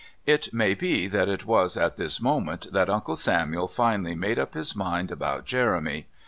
It may be that it was at this moment that Uncle Samuel finally made up his mind about Jeremy.